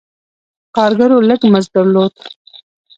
کارګرو لږ مزد درلود.